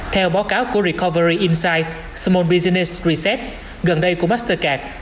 theo báo cáo của recovery insights small business reset gần đây của mastercard